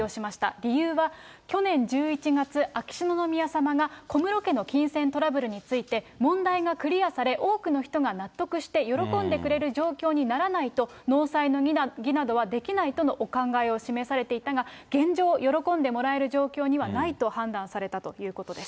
理由は、去年１１月、秋篠宮さまが小室家の金銭トラブルについて、問題がクリアされ、多くの人が納得して喜んでくれる状況にならないと、納采の儀などはできないとのお考えを示されていたが、現状、喜んでもらえる状況にはないと判断されたということです。